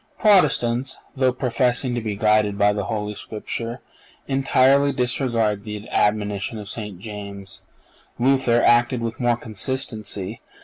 (488) Protestants, though professing to be guided by the Holy Scripture, entirely disregard the admonition of St. James. Luther acted with more consistency.